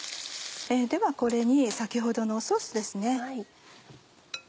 ではこれに先ほどのソースですね。